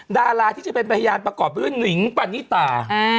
ดาราที่จะเป็นเพยานประกอบเป็นว่าหน่อยน์ป้านิตา